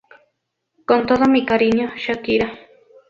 Con todo mi cariño, Shakira".